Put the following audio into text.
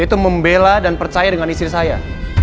itu membela dan percaya dengan istri saya